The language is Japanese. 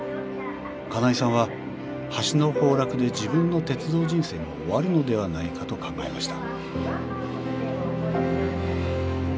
金井さんは橋の崩落で自分の鉄道人生も終わるのではないかと考えました